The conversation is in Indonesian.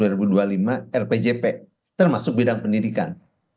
rpjp termasuk bidang pendidikan